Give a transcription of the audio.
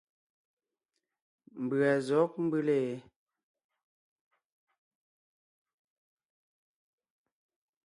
Mbʉ̀a zɔ̌g mbʉ́le ?